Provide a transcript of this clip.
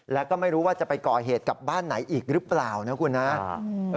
แล้วก็ไม่รู้ว่าจะไปก่อเหตุกับบ้านไหนอีกหรือเปล่านะคุณนะ